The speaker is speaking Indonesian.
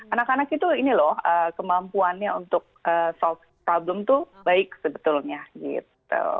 anak anak itu ini loh kemampuannya untuk soft problem tuh baik sebetulnya gitu